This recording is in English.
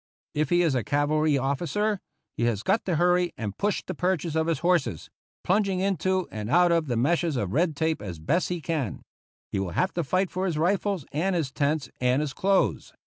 If he is a cavalry officer, he has got to hurry and push the purchase of his horses, plung ing into and out of the meshes of red tape as best he can. He will have to fight for his rifles and his tents and his clothes.